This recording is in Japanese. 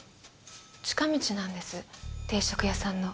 近道なんです定食屋さんの。